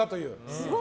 すごい。